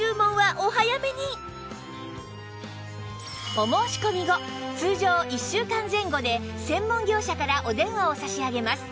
お申し込み後通常１週間前後で専門業者からお電話を差し上げます